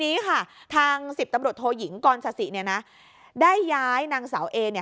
ทีนี้ค่ะทาง๑๐ตำรวจโทยิงกรซาสิเนี่ยนะได้ย้ายนางสาวเอเนี่ย